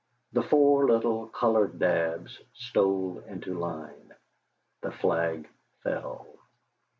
The four little Coloured daubs stole into line, the flag fell.